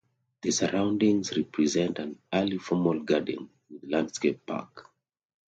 The surroundings represent an early formal garden with landscape park.